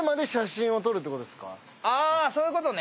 アアーそういうことね。